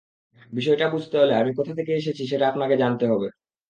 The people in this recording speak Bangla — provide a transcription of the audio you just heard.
বিষয়টা বুঝতে হলে আমি কোথা থেকে এসেছি, সেটা আপনাকে জানতে হবে।